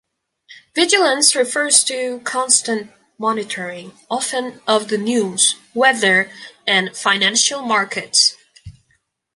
Vigilance refers to constant monitoring, often of the news, weather, and financial markets.